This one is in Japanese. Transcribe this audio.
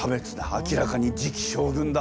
明らかに次期将軍だ。